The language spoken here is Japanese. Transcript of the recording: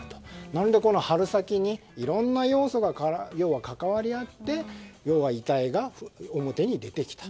なのでこの春先にいろんな要素が関わり合って遺体が表に出てきた。